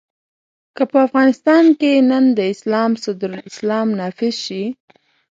که په افغانستان کې نن د اسلام صدر اسلام نافذ شي.